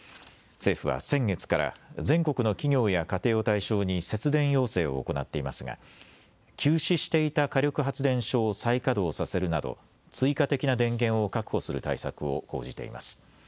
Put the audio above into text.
政府は先月から全国の企業や家庭を対象に節電要請を行っていますが休止していた火力発電所を再稼働させるなど追加的な電源を確保する対策を講じています。